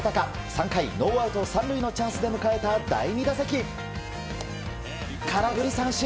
３回、ノーアウト３塁のチャンスで迎えた第２打席空振り三振。